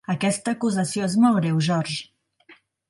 Aquesta acusació és molt greu, George.